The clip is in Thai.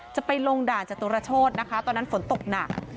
จะไปลงด่านจตุรโชธนะคะตอนนั้นฝนตกหนัก